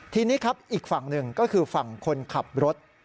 ทีนี้ครับอีกฝั่งหนึ่งก็คือฝั่งคนขับรถ